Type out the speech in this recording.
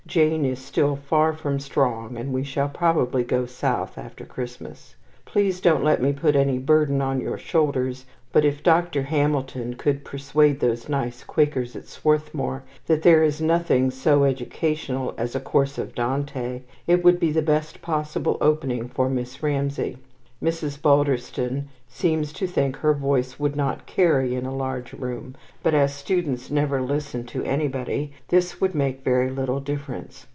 Jane is still far from strong, and we shall probably go South after Christmas. Please don't let me put any burden on your shoulders; but if Dr. Hamilton could persuade those nice Quakers at Swarthmore that there is nothing so educational as a course of Dante, it would be the best possible opening for Miss Ramsay. Mrs. Balderston seems to think her voice would not carry in a large room, but as students never listen to anybody, this would make very little difference.